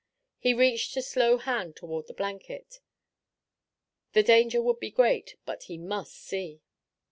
He reached a slow hand toward the blanket. The danger would be great, but he must see.